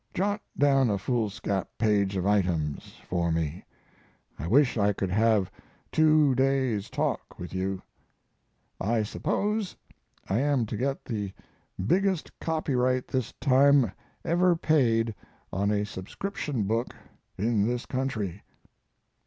Jot down a foolscap page of items for me. I wish I could have two days' talk with you. I suppose I am to get the biggest copyright this time ever paid on a subscription book in this country.